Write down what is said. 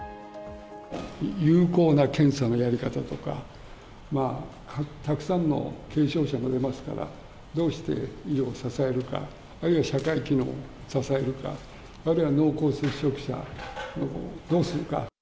有効な検査のやり方とか、たくさんの軽症者も出ますから、どうして医療を支えるか、あるいは社会機能を支えるか、あるいは濃厚接触者をどうするのか。